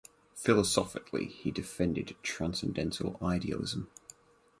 Philosophically he defended transcendental idealism.